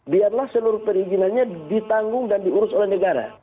biarlah seluruh perizinannya ditanggung dan diurus oleh negara